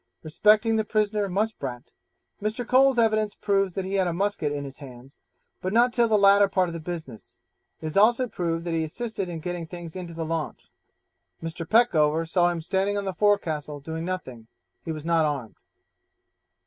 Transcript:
Respecting the prisoner Muspratt, Mr. Cole's evidence proves that he had a musket in his hands, but not till the latter part of the business; it is also proved that he assisted in getting things into the launch. Mr. Peckover saw him standing on the forecastle doing nothing he was not armed.